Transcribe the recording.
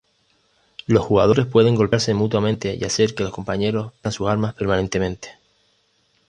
Los jugadores pueden golpearse mutuamente y hacer que los compañeros pierdan sus armas permanentemente.